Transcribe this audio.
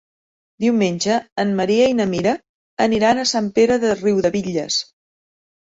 Diumenge en Maria i na Mira aniran a Sant Pere de Riudebitlles.